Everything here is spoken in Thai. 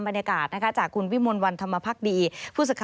พนักงานหลายคนถึงกับน้ำตาคลอนนะคะ